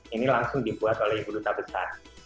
ini langsung dibuat oleh ibu duta besar